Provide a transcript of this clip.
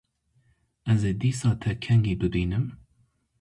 Ez ê dîsa te kengî bibînim?